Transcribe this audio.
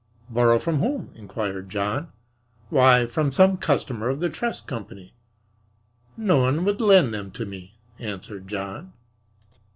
"Borrow from whom?" inquired John. "Why, from some customer of the trust company." "No one would lend them to me," answered John.